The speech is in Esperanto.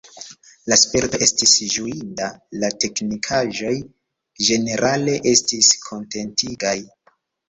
La sperto estis ĝuinda, la teknikaĵoj ĝenerale estis kontentigaj.